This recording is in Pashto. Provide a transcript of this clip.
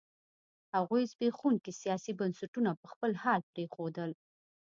هغوی زبېښونکي سیاسي بنسټونه په خپل حال پرېښودل.